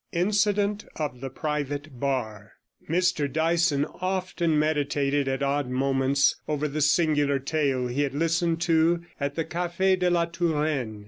INCIDENT OF THE PRIVATE BAR Mr Dyson often meditated at odd moments over the singular tale he had listened to at the Cafe de la Touraine.